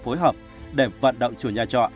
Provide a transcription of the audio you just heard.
phối hợp để vận động chủ nhà trọ